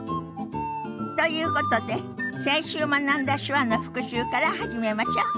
ということで先週学んだ手話の復習から始めましょう。